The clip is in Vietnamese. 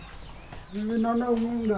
nỗi buồn cứ tròn vo